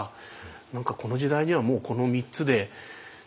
何かこの時代にはもうこの３つで手詰まり。